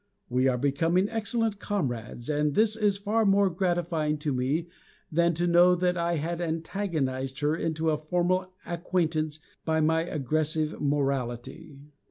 We are becoming excellent comrades, and this is far more gratifying to me than to know that I had antagonized her into a formal acquaintance by my aggressive morality.